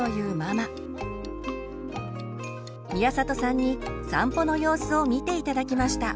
宮里さんに散歩の様子を見て頂きました。